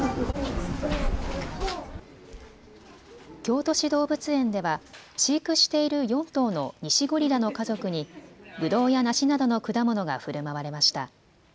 京都市動物園では飼育している４頭のニシゴリラの家族にぶどうや梨などの果物がふるまわれました。